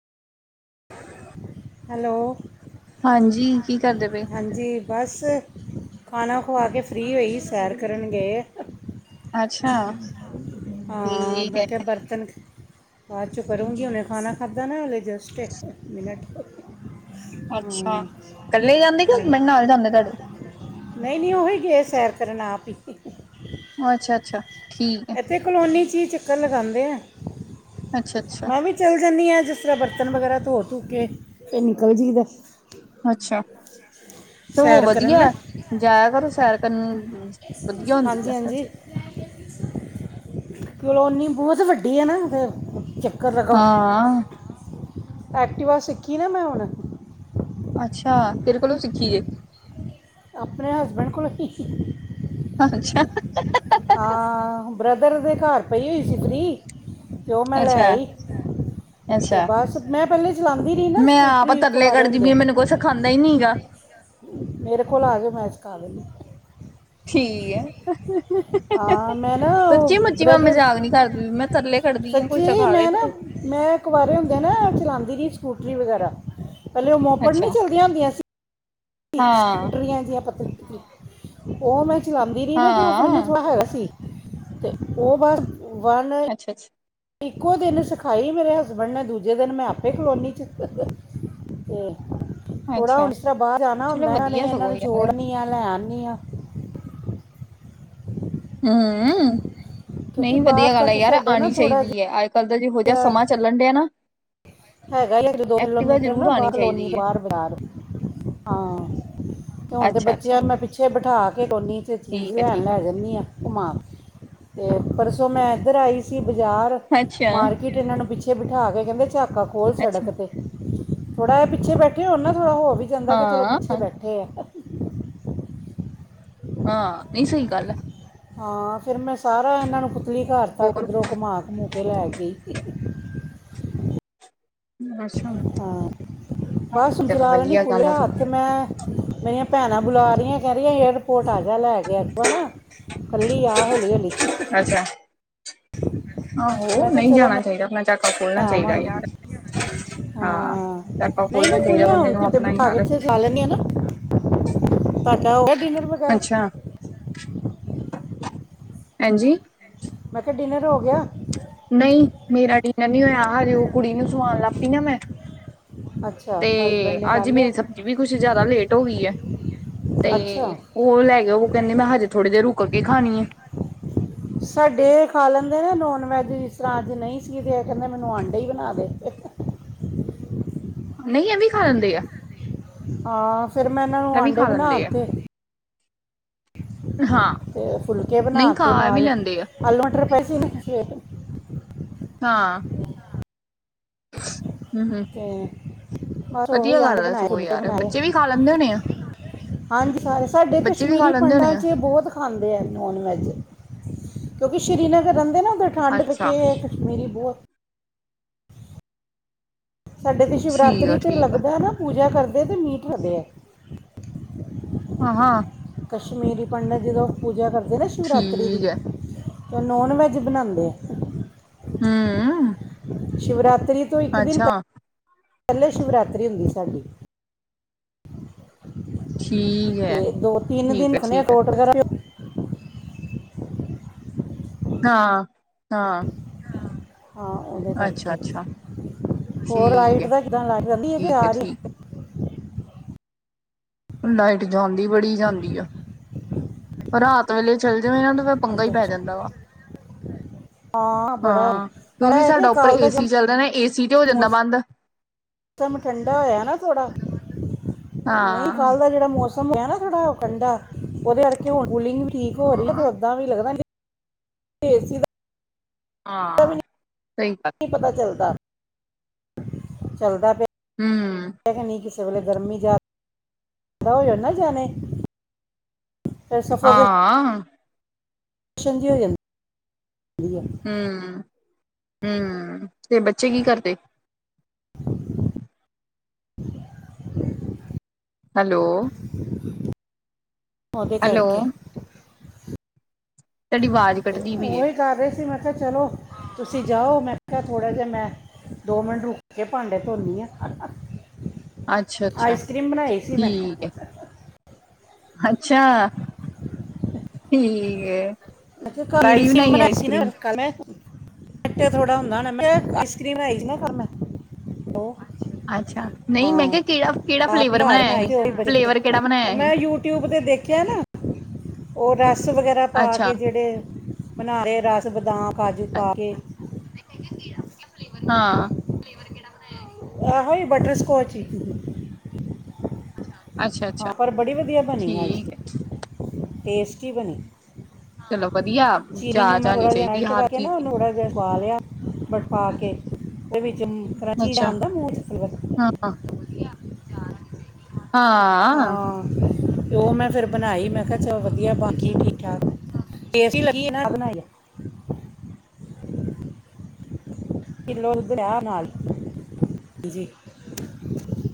Hello ਹਾਂਜੀ ਕੀ ਕਰਦੇ ਪਏਓ? ਹਾਂਜੀ ਬਸ ਖਾਣਾ ਖਵਾ ਕੇ ਫ੍ਰੀ ਹੋਈ ਸੈਰ ਕਰਨ ਗਏ ਆ, ਅੱਛਾ, ਹਾਂ ਠੀਕ ਮੈਂ ਹੈ, ਕੇਹਾ ਬਰਤਨ, ਬਾਅਦ ਚੋਂ ਕਰੂੰਗੀ ਹੁਣੇ ਖਾਣਾ ਖਾਧਾ ਨਾ ਹਲੇ ਜਸਟ ਇੱਕ ਮਿੰਟ, ਅੱਛਾ, ਹਾਂ ਕੱਲੇ ਜਾਂਦੇ ਕਿ ਹਾਂ। ਹਸਬੈਂਡ ਨਾਲ ਜਾਂਦੇ ਤਾਡੇ, ਨਹੀਂ -ਨਹੀਂ ਉਹੀ ਗਏ ਸੈਰ ਕਰਨ ਆਪ ਈ, ਅੱਛਾ -ਅੱਛਾ ਠੀਕ ਹੈ। ਇੱਥੇ ਕਲੋਨੀ 'ਚ ਹੀ ਚੱਕਰ ਲਗਾਂਦੇ ਆ, ਅੱਛਾ -ਅੱਛਾ ਚੱਲ ਜਾਂਣੀ ਆ, ਜਿਸ ਤਰ੍ਹਾਂ ਬਰਤਨ ਵਗੈਰਾ ਧੋ -ਧੂ ਕੇ ਫਿਰ ਨਿਕਲਦੀ ਆ ਬਸ, ਅੱਛਾ, ਤੇ ਸੈਰ ਕਰਨ ਨਾ ਵਧੀਆ ਜਾਇਆ ਘਰੋਂ ਸੈਰ ਕਰਨ, ਵਧੀਆ ਹੁੰਦੀ ਆ ਵੈਸੇ, ਹ ਕਲੋਨੀ ਬੋਤ ਵੱਡੀ ਆ ਨਾ, ਓਹ ਚੱਕਰ, ਹਾਂ ਐਕਟੀਵਾ ਸਿੱਖੀ ਨਾ ਮੈਂ ਹੁਣ, ਅੱਛਾ, ਕਿਦੇ ਕੋਲੋਂ ਸਿੱਖੀ ਏ, ਆਪਣੇ ਹਸਬੈਂਡ ਕੋਲ ਸੀਖੀ, ਅੱਛਾ, ਹਹ- ਹਾਂ ਬ੍ਰਦਰ ਦੇ ਘਰ ਪਈ ਹੋਈ ਸੀ, ਫਰੀ, ਤੇ ਉਹ ਮੈਂ ਲੈ ਅੱਛਾ। ਆਈ ਤੇ ਅੱਛਾ, ਬਸ ਮੈਂ ਪਹਿਲੇ, ਚਲਾਾਂਦੀ ਰਹੀ ਨਾ ਸਕੂਟਰੀ ਕੁਵਾਰੇ ਹੁੰਦੇਆ, ਖਾਂਦਾ ਹੀ ਨਹੀ ਹੈਗਾ, ਮੇਰੇ ਕੋਲ ਆ ਜਾਓ, ਮੈਂ ਸਿਖਾ ਦਿੰਦੀ ਆ, ਠੀਕ ਆ ਹ ਆ ਮੈਂ ਨਾ ਉਹ ਸੱਚੀ- ਮੁੱਚੀ ਮੈਂ ਬ੍ਰਦਰ ਮਜ਼ਾਕ ਨੀ ਕਰਦੀ ਮੈਂ, ਤਰਲੇ ਕੱਢਦੀਆ ਕੋਈ ਸੱਚੀ ਸਿਖਾਵੇ ਮੈਂ ਨਾ ਕਿਤੇ, ਮੈਂ ਕੁਆਰੇ ਓਨਦੇਆ ਚਲਾਂਦੀ ਰਈ ਸਕੂਟਰੀ ਵਗੈਰਾ, ਪੈਲੇ ਓ ਮੋਪੜ ਨੀ ਅੱਛਾ। ਚਲਦੀਆਂ ਓਂਦੀਆਂ ਸੀ ਹਾਂ, ਸਕੂਟਰੀਆਂ ਜੀਆਂ ਪਤਲੀ, ਓ ਮੈਂ ਚਲਾਂਦੀ ਰੀ ਨਾ ਤੇ ਓ ਫੇਰ ਮੈਨੂੰ ਹਾਂ, ਥੋੜ੍ਹਾ ਹੈਗਾ ਨੀ ਸੀ ਤੇ ਓ ਬਸ, ਵਨ ਅੱਛਾ ਅੱਛ ਇੱਕੋ ਦਿਨ ਸਖਾਈ ਮੇਰੇ ਹਸਬੈਂਡ ਨੇ ਦੂਜੇ ਦੇਨ ਮੈਂ ਆਪੇ ਕਲੋਨੀ ਚ। ਤੇ, ਅੱਛਾ। ਥੋੜਾ ਅੱਛਾ। ਹੋਣ ਇਸ ਤਰਾ ਬਾਰ ਜਾਨਾ ਚਲੋ ਓਂਦੈ ਇਣਾ ਨੇ ਵਧੀਆ ਇਨਾ ਸਗੋਂ ਨੂੰ ਯਾਰ ਛੋੜਨੀ ਆ ਲੈ ਆਨੀ ਆ। ਹੂੰ, ਕਿਉਂਕਿ ਨਈ ਵਦੀਆ ਬਾਹਰ ਗਾੱਲ ਐ ਤੱਕ ਯਾਰ ਸਾਡੇ ਨਾ ਆਨੀ ਥੋੜਾ ਚਾਈਦੀ ਐ ਆ ਕੱਲ ਦਾ ਜੀ ਹੋ ਜਾਹਾ ਜਿਹਾ ਸਮਾਂ ਚੱਲਨ ਡੇਐ ਨਾ ਹੈਗਾ ਈ ਏਕ-ਦੋ ਐਕਟਿਵਾ ਕਿਲੋਮੀਟਰ ਜ਼ਰੂਰ ਨਾ ਬਾਰ ਆਣੀ ਕਲੋਨੀ ਚਾਹੀਦੀ ਤੋ ਹੈ ਬਾਰ ਬਜਾਰ। ਹਾਂ, ਤੇ ਹੋਨ ਤੇ ਅੱਛਾ ਅੱਛਾ ਬੱਚੇਆ ਨੂੰ ਮੈਂ ਪਿੱਛੇ ਬਠਾ ਕੇ ਕੋਨੀ ਚ ਚੀਜ ਠੀਕ ਹੈ ਲੈਨ ਠੀਕ ਹੈ ਲੈ ਜੱਨੀ ਆ। ਘੁੰਮਾ ਕੇ, ਤੇ ਪਰਸੋ ਮੈਂ ਐਦਰ ਆਈ ਸੀ ਬਜਾਰ ਅੱਛਾ ਮਾਰਕ ਕਿੱਟ ਇਣਾ ਨੂੰ ਪਿੱਛੇ ਬਿਠਾ ਕੇ ਕੈਂਦੇ ਚਾਕਾ ਖੋਲ ਅੱਛਾ ਸੜਕ ਤੇ। ਥੋੜਾ ਜਾ ਪਿੱਛੇ ਬੈਠੇ ਹੋਨ ਨਾ ਥੋੜਾ ਹੋ ਵੀ ਜਾਂਦੈ ਕਿ ਚਲੋ ਹਾਂ ਪਿੱਛੇ ਬੈਠੇ ਐ। ਹਾਂ, ਨਈ ਸਈ ਗਾੱਲ ਐ। ਹਾਂ ਫੇਰ ਮੈਂ ਸਾਰਾ ਐਨਾ ਨੂੰ ਪੁਤਲੀ ਘਾੱਰ ਤੱਕ ਹੋਰ ਓਦਰੋ ਘੁਮਾ- ਘਮੁ ਕੇ ਲੈ ਕੇ ਗਈ ਸੀ। [inaudible] ਹਾਂ, ਬਸ ਚਲੋ ਚਲਾ ਲੈਨੀ ਵਧੀਆ ਗੱਲ ਆ ਖੁੱਲੇਯਾ ਸਗੋਂ ਹਾੱਥ ਮੈਂ। ਮੇਰੀਆਂ ਪੈਨਾ ਬੁਲਾ ਰਈਐ ਕੈਰੀਐ ਏਯਰਪੋਰਟ ਆ ਜਾ ਲੈਕੇ [unintelligible] ਨਾ। ਕੱਲੀ ਆ ਹੌਲੀ-ਹੌਲੀ। ਅੱਛਾ, ਮੈਂ ਆਹੋ ਕਿਹਾ ਨਈ ਚਲੋ ਜਾਣਾ ਚਾਈਦਾ ਅਪਨਾ ਮੈਂ ਆਵਾਂਗੀ, ਹਾਂ ਚਾਕਾ ਖੋਲਣਾ ਨਈ-ਨਈ ਖੁੱਲ ਚਾਹੀਦਾ ਗੇ ਬੰਦੇ ਹੁਨ ਨੂੰ ਤੇ [unintelligible] ਆਪਣਾ ਬਿਠਾ ਕੇ ਯਾਰ ਚ ਚਲਾ ਲੈਨੀ ਆ ਨਾ, ਤਾਡਾ ਓ ਗਯਾ ਡਿਨਰ ਵ ਅੱਛਾ, ਪੈਨ ਜੀ ਮੈਂ ਕਯਾ ਡਿਨਰ ਓ ਗਯਾ। ਨਈ, ਮੇਰਾ ਡਿਨਰ ਨੀ ਓਯਾ ਹਜੇ ਓ ਕੁੜੀ ਨੂੰ ਸਵਾਨ ਲੱਗ ਪੀ ਨਾ ਮੈਂ। ਅੱਛਾ ਹਸਬੰਡ ਤੇ, ਨੇ ਕਰ ਆੱਜ ਮੇਰੀ ਲਿਆ ਸਬਜ਼ੀ ਵੀ ਕੁੱਛ ਜਾਦਾ ਲੇਟ ਓ ਗੀ‌ ਐ। ਤੇ ਅੱਛਾ ਓ ਲੈਗੇਆਂ, ਓ ਕੈਂਦੇ ਮੈਂ ਹਜੇ ਥੋੜੀ ਦੇਰ ਰੁਕ ਕੇ ਖਾਨੀ ਏ। ਸਾਡੇ ਖਲੈਂਦੇ ਨੇ ਨੋਨ ਵੈਜ ਜਿਸ ਤਰਾ ਆੱਜ ਨਈ ਸੀ ਤੇ ਐ ਕੈਂਦੇ ਮੈਨੂੰ ਆਂਡੇ ਈ ਬਣਾ ਦੇ। ਨਈ ਐਵੀ ਖਾ ਲੈਂਦੇ ਆ। ਹਾਂ ਫੇਰ ਮੈਂ ਏਨਾ ਨੂੰ ਇਹ ਵੀ ਆਂਡੇ ਖਾ ਲੈਂਦੇ ਆ ਬਨਾਤੇ ਹਾਂ ਤੇ ਫੁਲਕੇ ਬਨਾ ਨਹੀਂ ਖਾ ਤੇ ਇਹ ਵੀ ਨਾਲ, ਲੈਂਦੇ ਆ ਆਲੂ ਮਟਰ ਪਏ ਸੀ ਨਾ ਸਵੇ ਹਾਂ, ਹੂੰ। [inaudible] ਹੈ ਸਗੋਂ ਯਾਰ ਬੱਚੇ ਵੀ ਖਾ ਲੈਂਦੇ ਹੋਣੇ ਆ ਹਾਂਜੀ ਸਾਰੇ ਸਾਡੇ ਬੱਚੇ ਵੀ ਖਾ ਕਸ਼ਮੀਰੀ ਲੈਂਦੇ ਹੋਣੇ ਪਂਡਾ ਆ ਚ ਬੋਤ ਖਾਂਦੇ ਐ ਨੋਨ ਵੈਜ, ਕਯੋਕਿ ਸ਼ੀਰੀਨਗਰ ਰੈਂਦੈ ਨਾ ਓਦਰ ਠੰਡ ਅੱਛਾ [unintelligible] ਮੇਰੀ ਬੋਤ ਸਾਡੇ ਇਥੇ ਠੀਕ ਸ਼ਿਵਰਾਤਰੀ ਆ ਤੇ ਠੀਕ ਆ ਲੱਗਦੈ ਨਾ ਪੂਜਾ ਕਰਦੇ ਤੇ ਮੀਟ [unintelligible] ਐ। ਹਾਂ ਹਾਂ ਕਸ਼ਮੀਰੀ ਪੰਡਤ ਜਦੋ ਪੂਜਾ ਕਰਦੇ ਨਾ ਸ਼ਿਵਰਾਤਰੀ ਦੀ ਠੀਕ ਹੈ ਐ ਨੋਨ ਵੈਜ ਬਨਾਦੇ ਐ। ਹੂੰ। ਸ਼ਿਵਰਾਤਰੀ ਤੋ ਇੱਕ ਦਿਨ ਪੈਲੇ ਸ਼ਿਵਰਾਤਰੀ ਓਂਦੀ ਏ ਸਾਡੀ। ਠੀਕ ਹੈ ਤੇ ਦੋ-ਤਿੰਨ ਠੀਕ ਦਿਨ ਹੈ ਠੀਕ ਹੈ [unintelligible] [inaudible] ਹਾਂ ਓਦੇ ਅੱਛਾ ਕਾਰਕੇ, ਅੱਛਾ ਹੋਰ ਠੀਕ ਲਾਈਟ ਹੈ ਦਾ ਕਿੱਦਾ ਲਾਈਟ ਜਾਂਦੀ ਏ ਕੇ ਠੀਕ ਹੈ ਆ ਗੀ। ਠੀਕ ਲਾਈਟ ਜਾਂਦੀ, ਬੜੀ ਜਾਂਦੀ ਆ, ਪਰ ਰਾਤ ਵੇਲੇ ਚੱਲ ਜਾਵੇ ਪੰਗਾ ਹੀ, ਅੱਛਾ ਪੈ ਅੱਛਾ ਜਾਂਦਾ ਵਾ। ਬੜਾ ਹਾਂ, ਪਰ ਕਿਉਂਕਿ ਇਹ ਹੈ ਕਿ ਸਾਡਾ ਉੱਪਰ ਕਾਲ ਦਾ ਏਸੀ ਜਿਹੜਾ ਚੱਲਦਾ ਹੈ ਨਾ, ਏਸੀ ਤੇ ਹੋ ਜਾਂਦਾ ਬੰਦ। ਮੌਸਮ ਠੰਡਾ ਹੋਇਆ ਨਾ ਥੋੜਾ, ਨਹੀਂ ਹਾਂ ਕਲਦਾ ਜਿਹੜਾ ਮੌਸਮ [unintelligible] ੳਹਦੇ ਕਰਕੇ ਕੂਲਿੰਗ ਠੀਕ ਹੋ ਰਹੀ ਹਾਂ। ਏ ਸੀ ਦਾ ਵੀ ਹਾਂ, ਸਹੀ ਨਹੀਂ ਪਤਾ ਚੱਲਦਾ [inaudible] ਚਲਦਾ ਪਿਆ ਹਮ [inaudible] ਫਿਰ ਸਫੋਕੇਸ਼ਨ ਹਾਂ [inaudible] ਹਮ, ਹਮ, ਤੇ ਬੱਚੇ ਕੀ ਕਰਦੇ? ਹੈਲੋ ਉਹਦੇ ਹੈਲੋ ਕਰਕੇ ਤੁਹਾਡੀ ਆਵਾਜ਼ ਤੇ ਕੱਟਦੀ ਪਈ ਏ ਉਹੀ ਕਰ ਰਹੇ ਸੀ, ਮੈਂ ਕਿਹਾ ਚਲੋ ਤੁਸੀਂ ਜਾਓ ਮੈਂ ਕਿਹਾ ਥੋੜ੍ਹਾ ਜਿਹਾ ਮੈਂ- ਦੋ ਮਿੰਟ ਰੁੱਖ ਕੇ, ਭਾਂਡੇ ਧੋਨੀ ਆ। ਅੱਛਾ ਅੱਛਾ ਆਈਸ ਕ੍ਰੀਮ ਬਣਾਈ ਸੀ ਮੈਂ ਠੀਕ ਹੈ ਅੱਛਾ, ਠੀਕ ਹੈ। [unintelligible] ਕਰ ਕਿਹੜੀ ਆਈਸਕਰੀਮ ਬਣਾਈ ਆਈਸ ਸੀ ਨਾ। ਕਰ੍ਰੀਮ [unintelligible] ਕਲ ਮੈਂ [inaudible] [inaudible] ਕਿਹਾ ਨਾ ਅੱਛਾ ਨਹੀਂ ਮੈਂ ਕਿਹਾ ਕਿਹੜਾ ਕਿਹੜਾ ਫਲੇਵਰ ਬਣਾਇਆ ਸੀ ਫਲੇਵਰ ਕਿਹੜਾ ਬਣਾਇਆ ਸੀ ਉਹ ਰਸ ਵਗੈਰਾ ਪਾ ਅੱਛਾ ਕੇ ਜਿਹੜੇ ਬਣਾ ਰਹੇ, ਰਸ, ਬਦਾਮ, ਕਾਜੂ ਪਾ ਕੇ ਹਾਂ ਆ ਹੋ, ਇਹ ਬਟਰਸਕੋਚ ਈ ਅੱਛਾ ਹਾਂ ਅੱਛਾ ਪਰ ਬੜੀ ਵਧੀਆ ਬਣੀ ਅੱਜ, ਠੀਕ ਟੇਸਟੀ ਬਣੀ ਚਲੋ ਵਧੀਆ ਚੀਨੀ ਨੂੰ ਜਾਚ ਮੈਂ ਆਣੀ ਥੋੜ੍ਹਾ ਜਿਹਾ ਚਾਹੀਦੀ ਮੈਲਟ ਹਰ ਕਰਕੇ ਚੀਜ਼ ਨਾ, ਦੀ ਉਹਨੂੰ ਥੋਹੜਾ ਜਿਹਾ ਪਾ ਲਿਆ। ਵੜ ਪਾ ਕੇ, ਉਹਦੇ ਵਿੱਚ ਚੀਜ਼ ਅੱਛਾ ਆਉਂਦਾ ਮੂੰਹ ਫਵਰ ਹਾਂ [unintelligible] ਹਾਂ। ਹਾਂ, ਉਹ ਮੈਂ ਫਿਰ ਬਣਾਈ ਮੈਂ ਕਿਹਾ ਚਲੋ ਵਧੀਆ ਬਣਗੀ ਠੀਕ ਠਾਕ। ਤੇਹ ਹੀ ਲੱਗੀ, ਇਹ ਬਣਾਈ। ਹ [unintelligible] ਕਿੱਲੋ ਉਧਰ ਨਾਲ, ਜੀ।